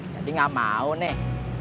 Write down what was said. jadi gak mau nih